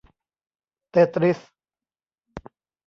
เตตริส !